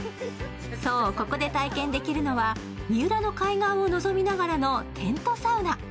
そう、ここで体験できるのは三浦の海岸を望みながらのテントサウナ。